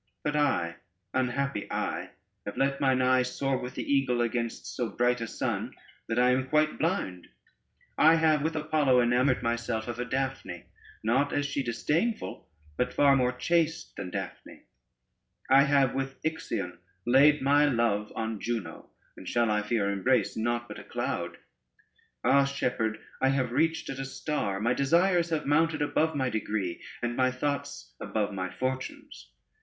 But I, unhappy I, have let mine eye soar with the eagle against so bright a sun that I am quite blind: I have with Apollo enamored myself of a Daphne, not, as she, disdainful, but far more chaste than Daphne: I have with Ixion laid my love on Juno, and shall, I fear, embrace nought but a cloud. Ah, Shepherd, I have reached at a star: my desires have mounted above my degree, and my thoughts above my fortunes.